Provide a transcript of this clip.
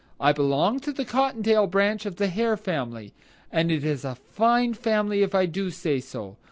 I belong to the Cottontail branch of the Hare family, and it is a fine family if I do say so.